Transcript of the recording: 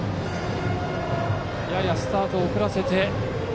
ややスタートを遅らせて。